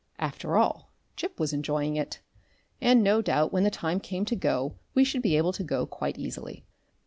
After all, Gip was enjoying it. And no doubt when the time came to go we should be able to go quite easily.